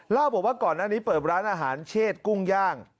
เล่าบอกว่าก่อนหน้านี้เปิดร้านอาหารเชษกุ้งย่าง